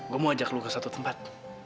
gue mau ajak lo ke satu tempat